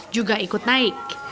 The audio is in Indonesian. juga ikut naik